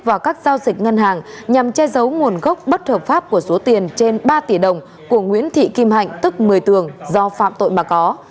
vào các giao dịch ngân hàng nhằm che giấu nguồn gốc bất hợp pháp của số tiền trên ba tỷ đồng của nguyễn thị kim hạnh tức một mươi tường do phạm tội mà có